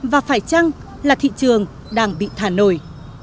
và phải chăng là thị trường đang bị thả nổi